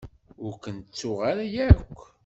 Ur kent-ttuɣ ara akk.